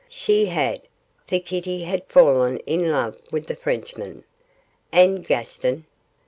She had, for Kitty had fallen in love with the Frenchman. And Gaston?